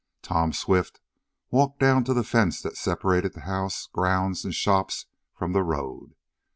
Tom Swift walked down to the fence that separated the house, grounds and shops from the road.